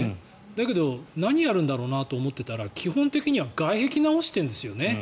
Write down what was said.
だけど、何やるんだろうなと思ってたら基本的には外壁を直しているんですよね